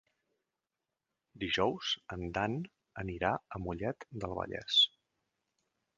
Dijous en Dan anirà a Mollet del Vallès.